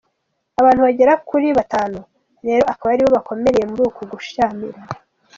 Abantu bagera kuri batanu rero akaba aribo bakomerekeye muri uku gushyamirana.